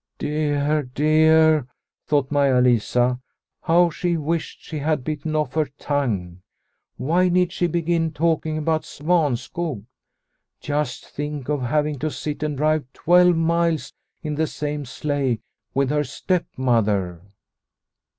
Dear, dear, thought Maia Lisa, how she wished she had bitten off her tongue. Why need she begin talking about Svanskog ? Just think of having to sit and drive twelve miles in the same sleigh with her stepmother